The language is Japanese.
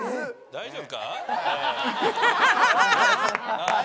大丈夫か？